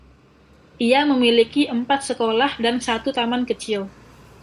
Ia memiliki empat sekolah dan satu taman kecil.